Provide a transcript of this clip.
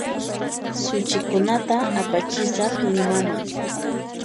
Suchikunata apachisaq Limaman